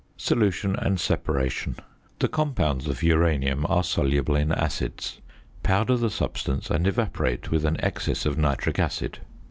~Solution and Separation.~ The compounds of uranium are soluble in acids. Powder the substance and evaporate with an excess of nitric acid.